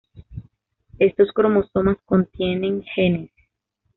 Estos cromosomas contienen genes.